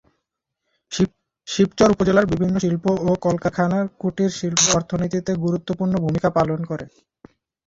শিবচর উপজেলার বিভিন্ন শিল্প ও কলকারখানা, কুটিরশিল্প অর্থনীতিতে গুরুত্বপূর্ণ ভূমিকা পালন করে।